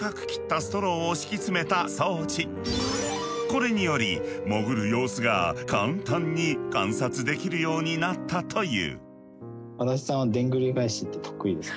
これにより潜る様子が簡単に観察できるようになったという。